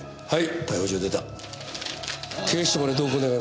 はい？